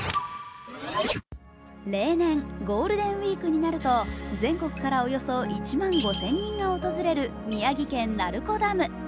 例年、ゴールデンウイークになると全国からおよそ１万５０００人が訪れる宮城県・鳴子ダム。